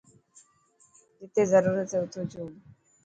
جتي ضرورت هي اوتو جول.